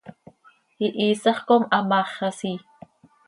Ihiisax com hamaax xasii.